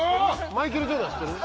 マイケル・ジョーダン知ってる？